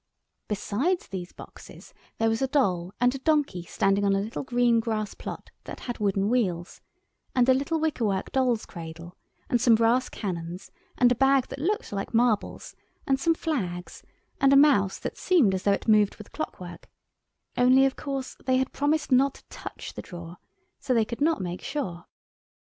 Besides these boxes there was a doll and a donkey standing on a green grass plot that had wooden wheels, and a little wicker work doll's cradle, and some brass cannons, and a bag that looked like marbles, and some flags, and a mouse that seemed as though it moved with clockwork; only, of course, they had promised not to touch the drawer, so they could not make sure.